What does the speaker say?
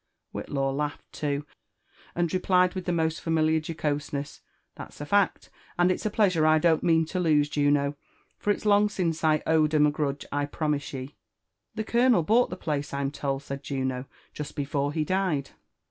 Whillaw laughed too, and replied with the most' familiar jocose nes$, "That's a fact; and it's a pleasure I don't mean to lose, Juno, for it's long since I've owed 'em a grudge, I promise ye." "The colonel bought the place,'I'm told/' said Juno, "just before he died."